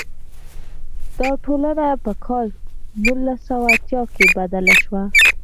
دا ټولنه په کال نولس سوه اتیا کې بدله شوه.